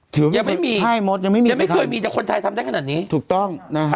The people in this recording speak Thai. ยังไม่มีใช่มดยังไม่มียังไม่เคยมีแต่คนไทยทำได้ขนาดนี้ถูกต้องนะฮะ